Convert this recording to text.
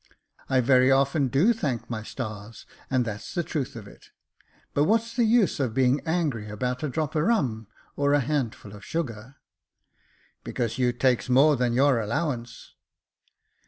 " I very often do thank my stars, and that's the truth of it ; but what's the use of being angry about a drop of rum, or a handful of sugar ?"*' Because you takes more than your allowance."